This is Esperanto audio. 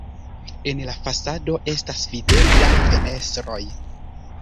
En la fasado estas videblaj fenestroj.